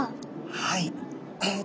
はい。